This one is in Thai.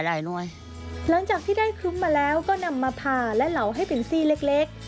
หลังจากที่ได้คลุ้มมาแล้วก็นำมาผ่าและเหลาให้เป็นซี่เล็กเล็ก